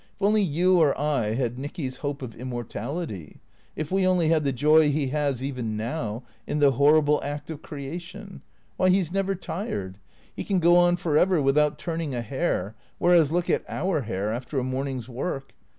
If only you or I had Nicky's hope of immortality — if we only had the joy he has even now, in the horrible act of creation. Why, he 's never tired. He can go on for ever without turning a hair, whereas look at our hair after a morning's work.